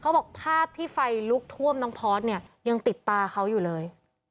บอกภาพที่ไฟลุกท่วมน้องพอร์ตเนี่ยยังติดตาเขาอยู่เลย